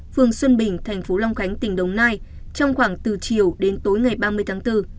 phường xuân bình thành phố long khánh tỉnh đồng nai trong khoảng từ chiều đến tối ngày ba mươi tháng bốn